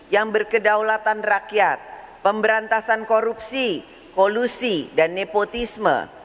yang berkedaulatan rakyat pemberantasan korupsi kolusi dan nepotisme